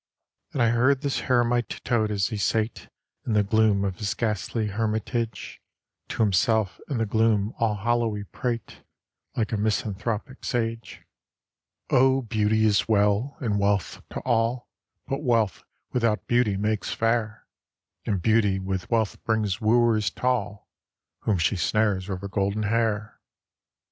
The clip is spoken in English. And I heard this heremite toad as he sate In the gloom of his ghastly hermitage To himself and the gloom all hollowly prate, Like a misanthropic sage: "Oh, beauty is well and wealth to all; But wealth without beauty makes fair: And beauty with wealth brings wooers tall Whom she snares with her golden hair.